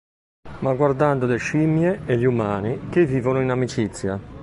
Ma guardando le sciemmie e gli umani, che vivono in amicizia.